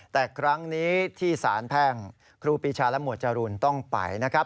แต่ครั้งนี้ที่สารแพ่งครูปีชาและหมวดจรูนต้องไปนะครับ